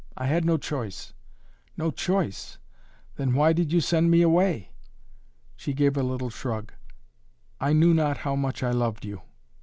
I had no choice !" "No choice! Then why did you send me away?" She gave a little shrug. "I knew not how much I loved you."